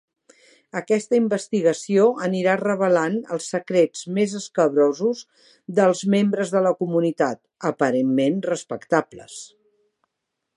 Aquesta investigació anirà revelant els secrets més escabrosos dels membres de la comunitat, aparentment respectables.